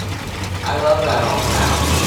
I love that old house.